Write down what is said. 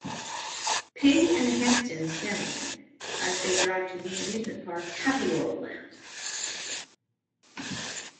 Pig and Hamton's family as they drive to the amusement park HappyWorldLand.